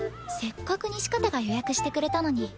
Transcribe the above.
せっかく西片が予約してくれたのに。